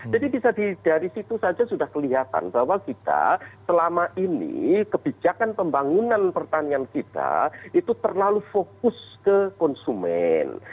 jadi dari situ saja sudah kelihatan bahwa kita selama ini kebijakan pembangunan pertanian kita itu terlalu fokus ke konsumen